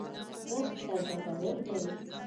کښت ته ګټور دی